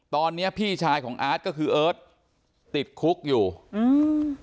ตอนเนี้ยพี่ชายของอาร์ตก็คือเอิร์ทติดคุกอยู่อืม